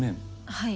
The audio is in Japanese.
はい。